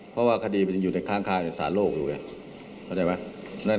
เพราะว่าคดีอยู่ในข้างสารโลกอยู่เนี่ย